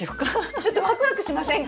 ちょっとワクワクしませんか？